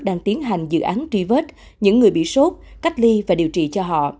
đang tiến hành dự án truy vết những người bị sốt cách ly và điều trị cho họ